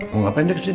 mau ngapain deh kesini